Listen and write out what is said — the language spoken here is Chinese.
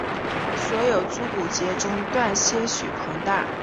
所有足股节中段些许膨大。